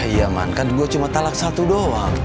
iya man kan gue cuma talak satu doang